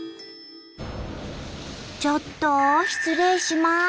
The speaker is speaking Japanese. ちょっと失礼します！